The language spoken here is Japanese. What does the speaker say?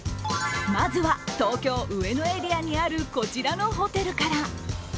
まずは、東京・上野エリアにあるこちらのホテルから。